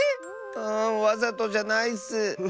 うんわざとじゃないッス！